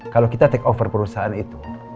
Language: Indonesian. kalau kita take over perusahaan itu